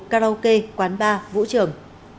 karaoke quán bar vũ trường